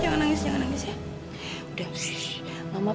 gak mau gak mau